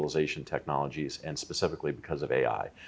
karena teknologi digitalisasi dan terutama karena ai